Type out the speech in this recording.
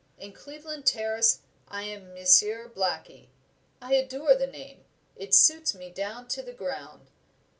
In Cleveland Terrace I am Monsieur Blackie; I adore the name it suits me down to the ground."